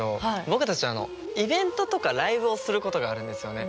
僕たちイベントとかライブをすることがあるんですよね。